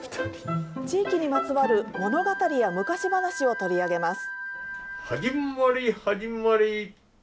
地域にまつわる物語や昔話を取り上げます。